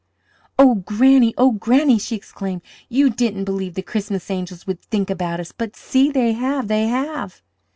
"Oh, Granny! Oh, Granny!" she exclaimed, "you didn't believe the Christmas angels would think about us, but see, they have, they have!